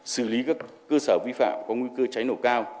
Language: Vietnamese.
xử lý các cơ sở vi phạm có nguy cơ cháy nổ cao